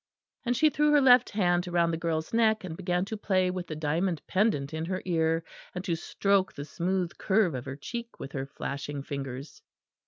And she threw her left hand round the girl's neck and began to play with the diamond pendant in her ear, and to stroke the smooth curve of her cheek with her flashing fingers.